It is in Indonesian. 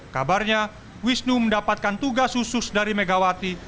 kabarnya wisnu mendapatkan tugas khusus dari megawati